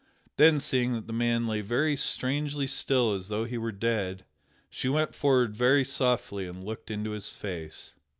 Then, seeing that the man lay very strangely still as though he were dead, she went forward very softly and looked into his face.